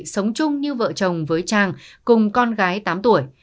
sống chung như vợ chồng với trang cùng con gái tám tuổi